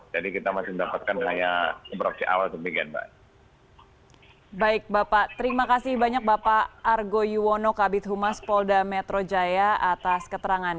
jadi kita masih mendapatkan hanya komprosi awal demikian mbak